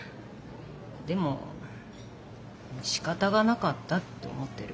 でもしかたがなかったって思ってる。